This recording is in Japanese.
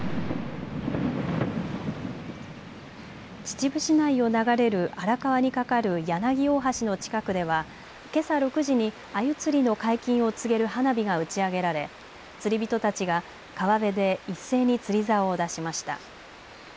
秩父市内を流れる荒川に架かる柳大橋の近くでは、けさ６時にアユ釣りの解禁を告げる花火が打ち上げられ釣り人たちが川辺で一斉に釣りざおを出しました。